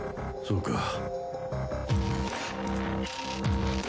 そうか。